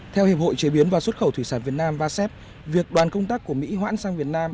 theo hiệp hội chế biến và xuất khẩu thủy sản việt nam vasep việc đoàn công tác của mỹ hoãn sang việt nam